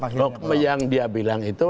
nokme yang dia bilang itu